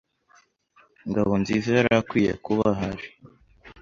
Ngabonziza yari akwiye kuba ahari.